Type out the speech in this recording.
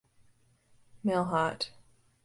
Mailhot.